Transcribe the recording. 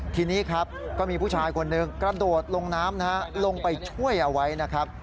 ทีนี้ครับก็มีผู้ชายคนหนึ่งกระโดดลงน้ำนะฮะลงไปช่วยเอาไว้นะครับ